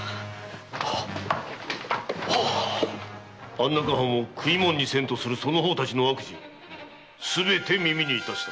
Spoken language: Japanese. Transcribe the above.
安中藩を食い物にせんとするその方たちの悪事すべて耳にいたした。